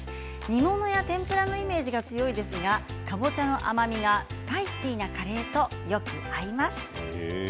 煮物や天ぷらのイメージが強いですが、かぼちゃの甘みがスパイシーなカレーとよく合います。